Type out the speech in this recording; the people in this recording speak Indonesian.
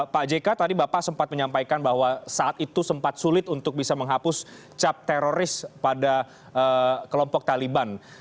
pak jk tadi bapak sempat menyampaikan bahwa saat itu sempat sulit untuk bisa menghapus cap teroris pada kelompok taliban